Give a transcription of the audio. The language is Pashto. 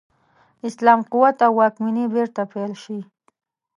اسلام قوت او واکمني بیرته پیل شي.